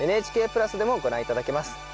ＮＨＫプラスでもご覧頂けます。